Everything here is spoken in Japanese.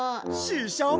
ししゃも！？